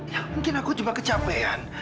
ya mungkin aku cuma kecapean